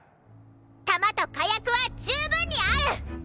弾と火薬は十分にある！